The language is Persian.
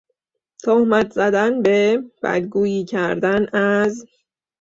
تهمت زدن به، بدگویی کردن از...